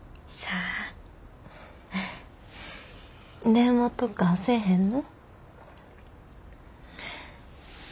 電話とかせえへんの？